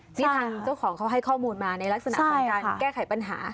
ที่ทางเจ้าของเขาให้ข้อมูลมาในลักษณะของการแก้ไขปัญหา